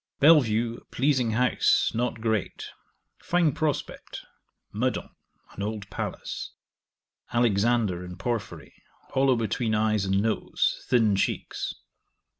Bellevue, a pleasing house, not great: fine prospect. Meudon, an old palace. Alexander, in Porphyry: hollow between eyes and nose, thin cheeks.